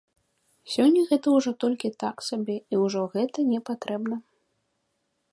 Сёння гэта ўжо толькі так сабе і ўжо гэта непатрэбна.